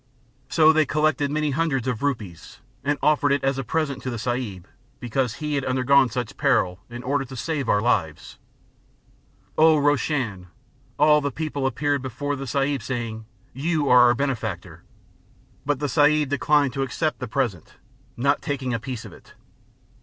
So they collected many hundreds of rupees, and offered it as a present to the Sahib, because he had undergone such peril, in order to save our lives. Oh! Roshan, all the people appeared before the Sahib saying, "You are our benefactor"; But the Sahib declined to accept the present, not taking a pice of it.